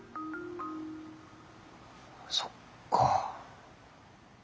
そっか。